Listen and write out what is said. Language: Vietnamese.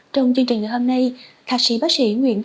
trong chương trình ngày hôm nay thạc sĩ bác sĩ nguyễn